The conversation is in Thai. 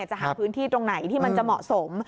จะหาพื้นที่ตรงไหนที่มันจะเหมาะสม